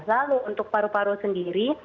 lalu untuk paru paru sendiri